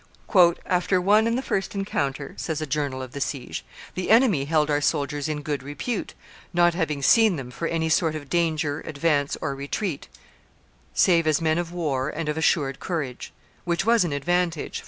"After one and the first encounter," says a journal of the siege, "the enemy held our soldiers in good repute, not having seen them, for any sort of danger, advance or retreat, save as men of war and of assured courage; which was an advantage, for M.